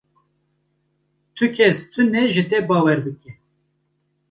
Ti kes tune ji te bawer bike.